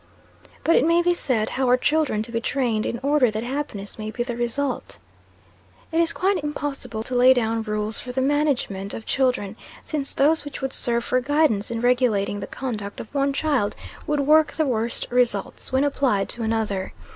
But it may be said, how are children to be trained in order that happiness may be the result? It is quite impossible to lay down rules for the management of children; since those which would serve for guidance in regulating the conduct of one child, would work the worst results when applied to another.